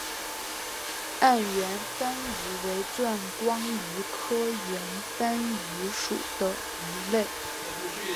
暗圆帆鱼为钻光鱼科圆帆鱼属的鱼类。